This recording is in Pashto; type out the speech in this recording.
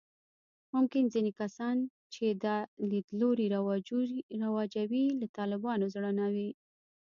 ممکن ځینې کسان چې دا لیدلوري رواجوي، له طالبانو زړه نه وي